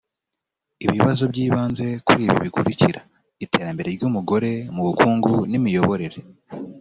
ibibazo by ibanze kuri ibi bikurikira iterambere ry umugore mu bukungu n imiyoborere